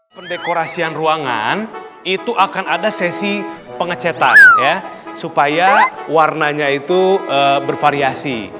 pendekorasian ruangan itu akan ada sesi pengecetan ya supaya warnanya itu bervariasi